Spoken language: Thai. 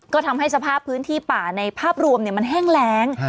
ก็ทำให้สภาพพื้นที่ป่าในภาพรวมมันแห้งแรง